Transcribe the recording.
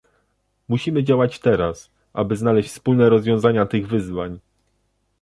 Musimy działać teraz, aby znaleźć wspólne rozwiązania tych wyzwań